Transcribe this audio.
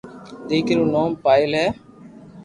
ديڪري رو نوم پايل ھي